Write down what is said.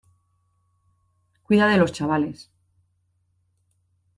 cuida de los chavales.